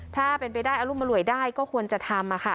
ถ้าเป็นไปได้อรุมอร่วยได้ก็ควรจะทำ